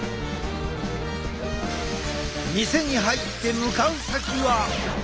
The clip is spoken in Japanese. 店に入って向かう先は。